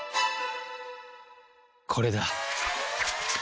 これだ。